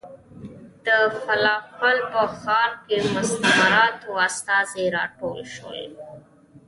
د فلادلفیا په ښار کې مستعمراتو استازي راټول شول.